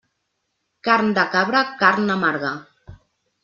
Carn de cabra, carn amarga.